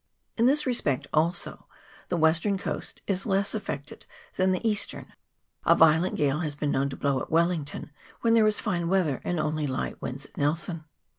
In this respect, also, the western coast is less affected than the eastern ; a violent gale has been known to blow at Wellington when there was fine weather and only light winds at Nelson.